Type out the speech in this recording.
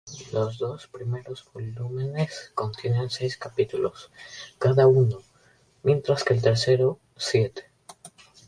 Los primeros dos volúmenes contienen seis capítulos cada uno, mientras que el tercero, siete.